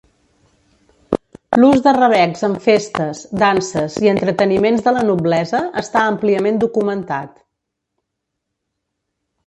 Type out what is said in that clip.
L'ús de rabecs en festes, danses i entreteniments de la noblesa està àmpliament documentat.